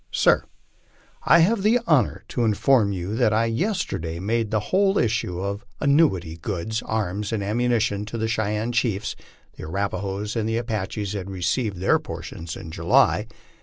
SIR: I have the honor to inform you that I yesterday made the whole issue of annuity goods, amis, and ammunition to the Cheyenne chiefs [the Arapahoes and Apaches had received their por tion in July.